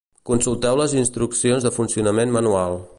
Consulteu les instruccions de funcionament manual